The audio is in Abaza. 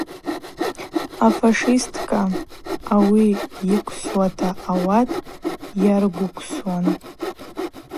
Афашистка ауи йыквсуанта ауат йаргвыквсуан.